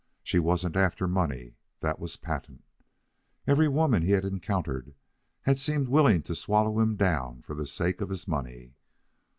She wasn't after money, that was patent. Every woman he had encountered had seemed willing to swallow him down for the sake of his money.